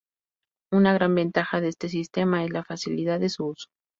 Una gran ventaja de este sistema es la facilidad de su uso.